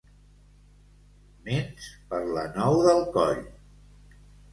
Ments per la nou del coll.